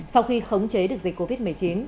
sau khi khống chế được dịch covid một mươi chín